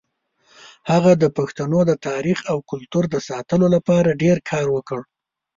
هغه د پښتنو د تاریخ او کلتور د ساتلو لپاره ډېر کار وکړ.